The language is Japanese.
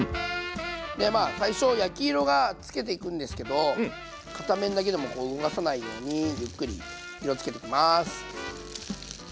でまあ最初焼き色がつけていくんですけど片面だけでもこう動かさないようにゆっくり色つけていきます。